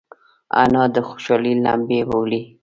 انا د خوشحالۍ لمبې بلوي